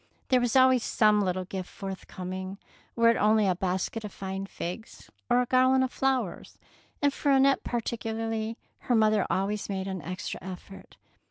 There was always some little gift forthcoming, were it only a basket of fine figs or a garland of flowers; and for Annette particularly her mother always made an extra effort.